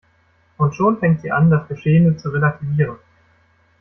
Und schon fängt sie an, das Geschehene zu relativieren.